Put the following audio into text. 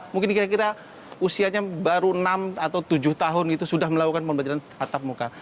mungkin kira kira usianya baru enam atau tujuh tahun itu sudah melakukan pembelajaran tatap muka